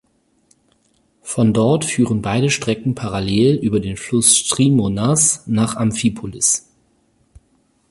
Von dort führen beide Strecken parallel über den Fluss Strymonas nach Amphipolis.